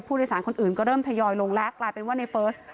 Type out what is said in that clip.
ผู้โดยสารคนอื่นก็เริ่มทยอยลงแล้วกลายเป็นว่าในเฟิร์ส